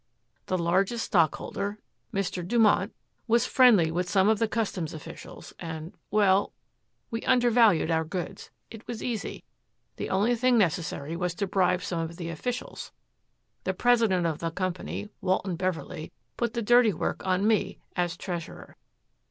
The largest stockholder, Mr. Dumont, was friendly with some of the customs officials and well, we undervalued our goods. It was easy. The only thing necessary was to bribe some of the officials. The president of the company, Walton Beverley, put the dirty work on me as treasurer.